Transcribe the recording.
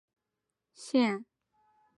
治所位于定州安喜县。